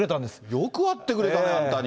よく会ってくれたね、あんたに。